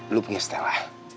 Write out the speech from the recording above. lu punya stella